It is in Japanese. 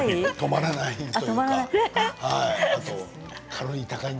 止まらない。